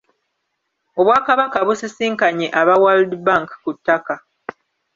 Obwakabaka busisinkanye aba World Bank ku ttaka .